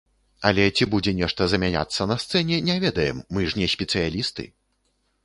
Але, ці будзе нешта замяняцца на сцэне, не ведаем, мы ж не спецыялісты!